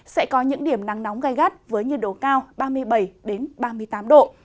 sẽ có những điểm nắng nóng gai gắt với nhiệt độ cao ba mươi bảy ba mươi tám độ